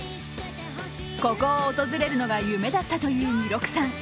ここを訪れるのが夢だったという弥勒さん。